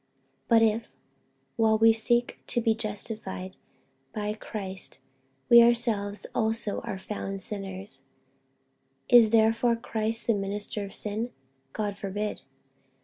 48:002:017 But if, while we seek to be justified by Christ, we ourselves also are found sinners, is therefore Christ the minister of sin? God forbid.